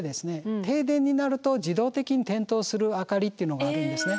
停電になると自動的に点灯する明かりっていうのがあるんですね。